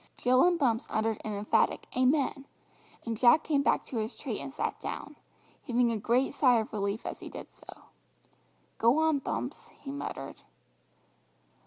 Jill and Bumps uttered an emphatic "Amen," and Jack came back to his tree and sat down, heaving a great sigh of relief as he did so. "Go on, Bumps," he muttered.